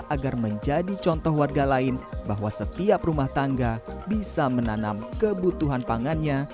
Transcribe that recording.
agar menjadi contoh warga lain bahwa setiap rumah tangga bisa menanam kebutuhan pangannya